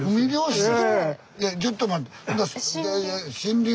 いやちょっと待って。